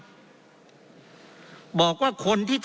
เพราะเรามี๕ชั่วโมงครับท่านนึง